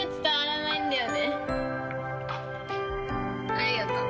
ありがとう。